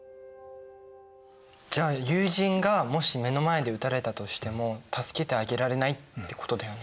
じゃあ友人がもし目の前で撃たれたとしても助けてあげられないってことだよね。